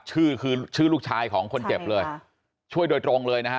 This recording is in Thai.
ชื่อคือชื่อลูกชายของคนเจ็บเลยช่วยโดยตรงเลยนะฮะ